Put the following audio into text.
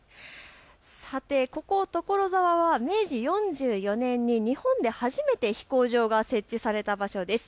さて、ここ所沢は明治４４年に日本で初めて飛行場が設置された場所です。